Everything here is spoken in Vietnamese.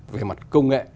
về mặt công nghệ